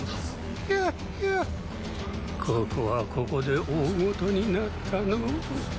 ここはここで大事になったのぉ。